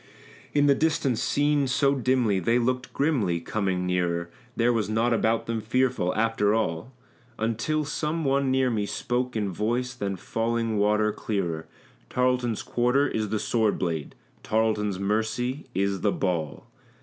In the distance seen so dimly, they looked grimly; coming nearer, There was naught about them fearful, after all, Until some one near me spoke in voice than falling water clearer, "Tarleton's quarter is the sword blade, Tarleton's mercy is the ball."